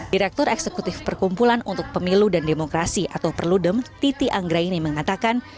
direktur eksekutif perkumpulan untuk pemilu dan demokrasi atau perludem titi anggraini mengatakan